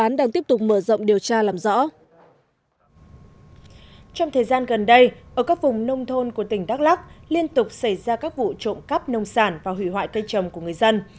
trong thời gian gần đây ở các vùng nông thôn của tỉnh đắk lắc liên tục xảy ra các vụ trộm cắp nông sản và hủy hoại cây trồng của người dân